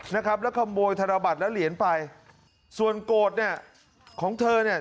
นะครับแล้วขโมยธนบัตรและเหรียญไปส่วนโกรธเนี่ยของเธอเนี่ย